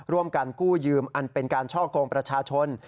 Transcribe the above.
ร่วมกันกู้ยืมอันเป็นการช่อกงประชาชน